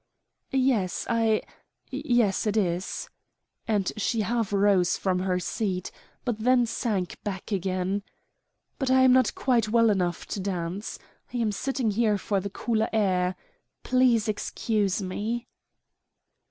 "Yes, I yes, it is," and she half rose from her seat, but then sank back again. "But I am not quite well enough to dance. I am sitting here for the cooler air. Please excuse me."